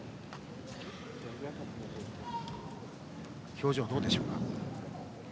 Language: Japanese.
表情、どうでしょうか。